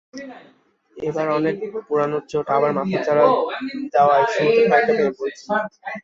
এবার অনেক পুরোনো চোট আবার মাথাচাড়া দেওয়ায় শুরুতে খানিকটা ভেঙে পড়েছিলেন।